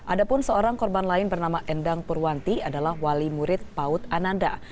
ada pun seorang korban lain bernama endang purwanti adalah wali murid paut ananda